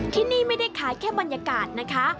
ที่นี่ไม่ได้ขายแค่บรรยากาศนะคะ